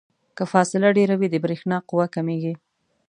که فاصله ډیره وي د برېښنا قوه کمیږي.